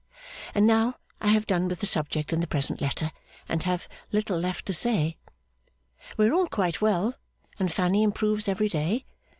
And now I have done with the subject in the present letter, and have little left to say. We are all quite well, and Fanny improves every day.